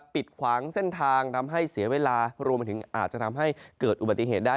ดขวางเส้นทางทำให้เสียเวลารวมไปถึงอาจจะทำให้เกิดอุบัติเหตุได้